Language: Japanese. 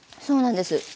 そうなんです。